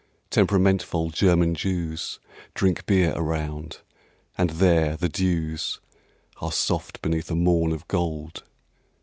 Temperamentvoll German Jews Drink beer around; and there the dews Are soft beneath a morn of gold.